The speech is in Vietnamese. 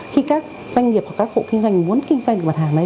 khi các doanh nghiệp hoặc các hộ kinh doanh muốn kinh doanh mặt hàng này